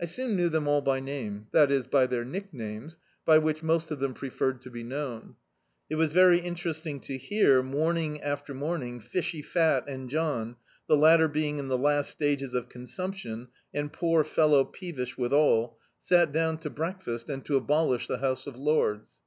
I soon knew them all by name, that is, by their nicknames, by which most of them preferred to be known. It was very interesting to hear, morning after morning, "Fishy Fat" and John — the latter being in the last stages of consumption, and poor fellow peevish withal — sit down to breakfast and to abolish the House of Lords.